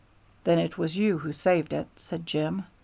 "Then it was you who saved it," said Jim.